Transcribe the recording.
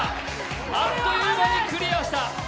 あっという間にクリアした。